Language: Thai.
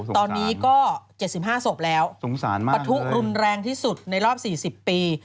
ตอนนี้ก็๗๕ศพแล้วปะทุรุนแรงที่สุดในรอบ๔๐ปี